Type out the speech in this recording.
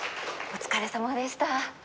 お疲れさまです。